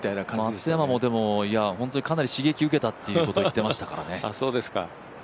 松山も刺激を受けたっていうことを言っていましたからね。